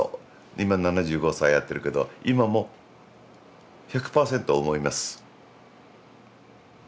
今７５歳やってるけど今も１００％思います。